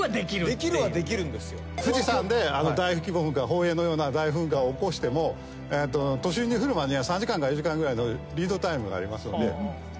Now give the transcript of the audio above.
宝永のような大噴火を起こしても都心に降るまでには３時間から４時間ぐらいのリードタイムがありますので。